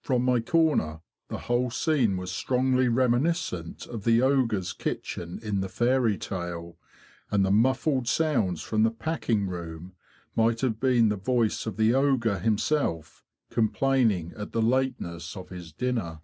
From my corner the whole scene was strongly reminiscent of the ogre's kitchen in the fairy tale; and the muffled sounds from the pack ing room might have been the voice of the ogre himself, complaining at the lateness of his dinner.